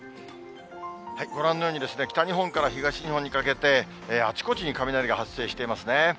ご覧のように、北日本から東日本にかけて、あちこちに雷が発生していますね。